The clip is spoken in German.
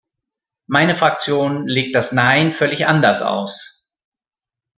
Meine Fraktion legt das Nein völlig anders aus.